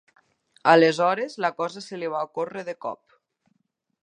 Aleshores la cosa se li va ocórrer de cop.